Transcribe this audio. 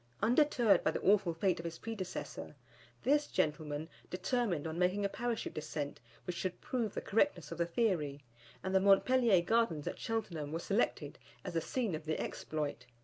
Undeterred by the awful fate of his predecessor, this gentleman determined on making a Parachute descent which should prove the correctness of the theory, and the Montpellier Gardens at Cheltenham were selected as the scene of the exploit.